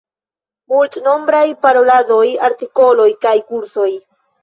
Multnombraj paroladoj, artikoloj kaj kursoj.